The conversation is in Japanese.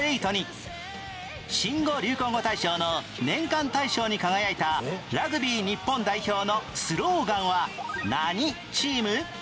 新語・流行語大賞の年間大賞に輝いたラグビー日本代表のスローガンは何 ＴＥＡＭ？